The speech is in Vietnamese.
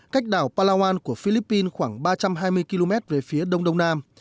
cách đảo palawan của philippines khoảng ba trăm hai mươi km về phía đông đông nam